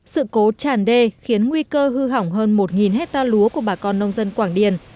sự cố tràn đê khiến nguy cơ hư hỏng hơn một hectare lúa của bà con nông dân quảng điền